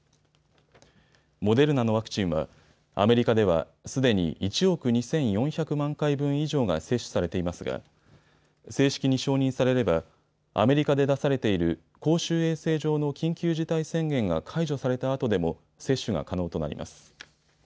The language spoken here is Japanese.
モデルナのワクチンはアメリカではすでに１億２４００万回分以上が接種されていますが正式に承認されればアメリカで出されている公衆衛生上の緊急事態宣言が解除されたあとでも接種が可能となります。